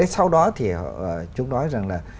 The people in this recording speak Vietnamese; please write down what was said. sau đó thì chúng nói rằng là